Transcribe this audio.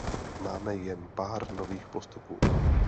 Máme jen pár nových postupů.